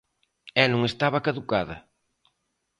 E non estaba caducada!